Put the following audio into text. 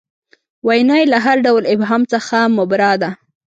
وینا یې له هر ډول ابهام څخه مبرا ده.